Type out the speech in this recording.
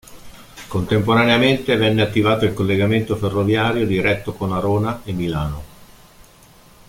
Contemporaneamente venne attivato il collegamento ferroviario diretto con Arona e Milano.